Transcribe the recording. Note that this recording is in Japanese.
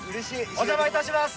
お邪魔いたします。